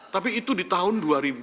tapi itu di tahun dua ribu tiga belas